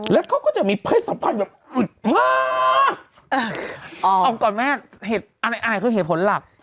แล้วเขาก็จะมีเพศสัมพันธ์แบบอึดมากเอาก่อนแม่อะไรอายคือเหตุผลหลัก